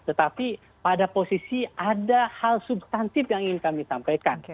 tetapi pada posisi ada hal substantif yang ingin kami sampaikan